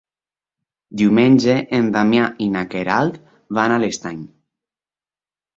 Diumenge en Damià i na Queralt van a l'Estany.